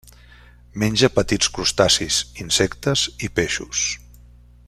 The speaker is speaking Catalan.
Menja petits crustacis, insectes i peixos.